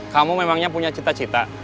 kamu memangnya punya cita cita